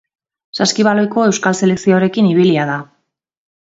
Saskibaloiko euskal selekzioarekin ibilia da.